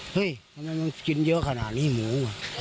เฮ้ยทำไมมันกินเยอะขนาดนี้หมู